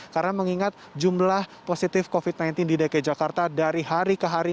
karena mengingat jumlah positif covid sembilan belas di dki jakarta dari hari keharian